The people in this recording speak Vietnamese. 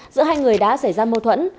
giữa hai người đã xảy ra mâu thuẫn